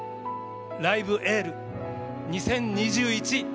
「ライブ・エール２０２１」。